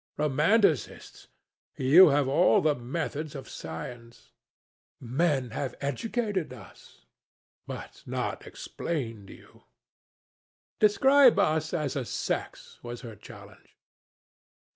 "Romanticists! You have all the methods of science." "Men have educated us." "But not explained you." "Describe us as a sex," was her challenge.